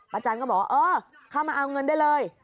ป้าจันก็บอกเออเข้ามาเอาเงินได้เลย